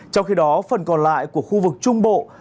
trong khi đó phần còn lại của khu vực trung bộ